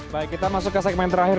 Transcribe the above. baik kita masuk ke segmen terakhir